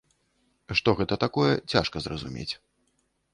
Што гэта такое, цяжка зразумець.